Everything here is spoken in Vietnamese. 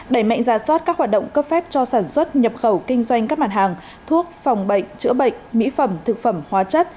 đẩy mạnh ra soát các hoạt động cấp phép cho sản xuất nhập khẩu kinh doanh các mặt hàng thuốc phòng bệnh chữa bệnh mỹ phẩm thực phẩm hóa chất